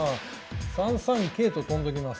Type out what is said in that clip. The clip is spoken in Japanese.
３三桂と跳んどきます。